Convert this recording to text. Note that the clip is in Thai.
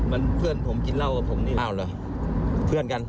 มันเพื่อนผมกินเหล้ากับผมนี่อ้าวเหรอเพื่อนกัน